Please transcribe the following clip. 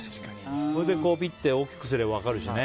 それで大きくすれば分かるしね。